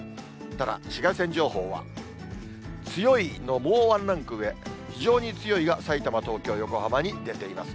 ただ、紫外線情報は、強いのもう１ランク上、非常に強いがさいたま、東京、横浜に出ています。